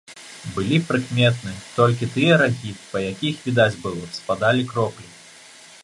Былі прыкметны толькі тыя рагі, па якіх, відаць было, спадалі кроплі.